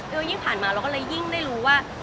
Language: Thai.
ยิ่งผ่านมาเราก็เลยยิ่งได้รู้ว่า